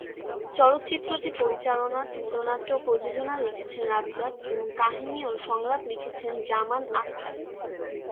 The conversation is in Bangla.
চলচ্চিত্রটি পরিচালনা, চিত্রনাট্য ও প্রযোজনা লিখেছেন রাজ্জাক এবং কাহিনি ও সংলাপ লিখেছেন জামান আখতার।